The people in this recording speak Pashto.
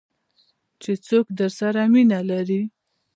چې څوک درسره مینه لري .